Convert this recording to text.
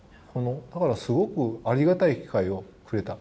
だから、すごくありがたい機会をくれた。